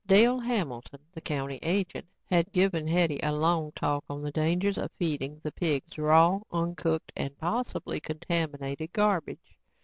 Dale Hamilton, the county agent, had given Hetty a long talk on the dangers of feeding the pigs, raw, uncooked and possibly contaminated, garbage.